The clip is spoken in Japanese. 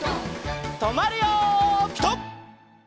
とまるよピタ！